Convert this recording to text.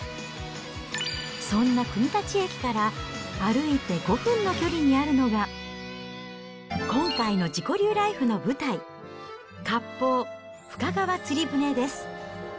そんな国立駅から歩いて５分の距離にあるのが、今回の自己流ライフの舞台、割烹深川つり舟です。